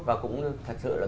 và cũng thật sự là